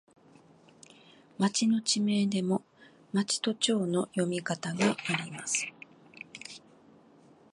町の地名でも、まちとちょうの読み方があります。